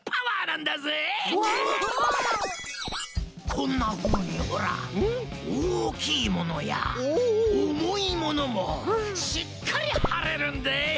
こんなふうにほらおおきいものやおもいものもしっかりはれるんでえ！